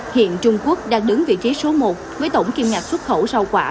hiện trung quốc đang đứng vị trí số một với tổng kiêm ngặt xuất khẩu rau quả